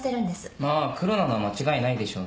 まあクロなのは間違いないでしょうね。